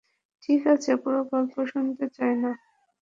ঠিক আছে, পুরো গল্প শুনতে চাই নাই।